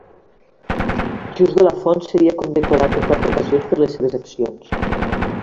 Just de la Font seria condecorat en quatre ocasions per les seves accions.